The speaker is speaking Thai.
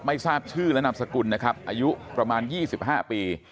ทราบชื่อและนามสกุลนะครับอายุประมาณ๒๕ปี